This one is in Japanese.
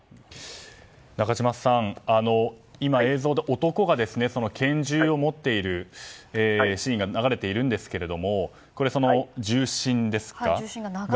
中島さん、今、映像で男が拳銃を持っているシーンが流れているんですけれども銃身が。